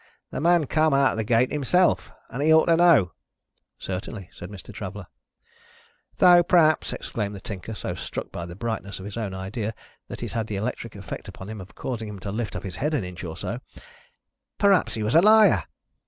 The man come out at that gate himself, and he ought to know." "Certainly," said Mr. Traveller. "Though, perhaps," exclaimed the Tinker, so struck by the brightness of his own idea, that it had the electric effect upon him of causing him to lift up his head an inch or so, "perhaps he was a liar!